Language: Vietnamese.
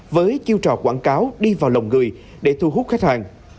với chiêu trò quảng cáo đi vào lòng người để thu hút khách hàng